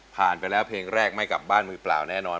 ไปแล้วเพลงแรกไม่กลับบ้านมือเปล่าแน่นอน